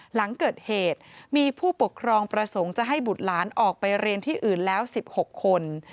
หลังเกิดเหตุมีผู้ปกครองประสงค์จะให้บุตรหลานออกไปเรียนที่อื่นแล้ว๑๖คน